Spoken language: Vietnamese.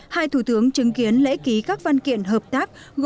hai thủ tướng chứng kiến lễ ký các văn kiện hợp tác